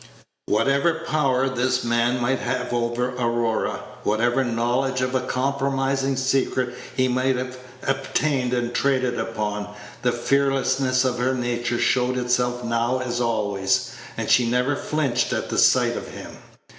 Whatever power this man might have over Aurora, whatever knowledge of a compromising secret he might have obtained and traded upon, the fearlessness of her nature showed itself now as always, and she never flinched at the sight of him.